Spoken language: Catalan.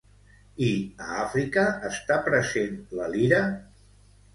I a Àfrica, està present la lira?